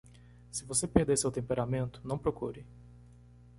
Se você perder seu temperamento,? não procure.